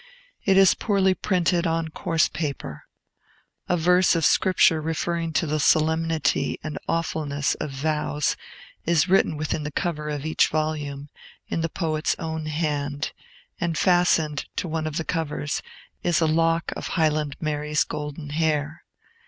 It is poorly printed, on coarse paper. A verse of Scripture, referring to the solemnity and awfulness of vows, is written within the cover of each volume, in the poet's own hand; and fastened to one of the covers is a lock of Highland Mary's golden hair.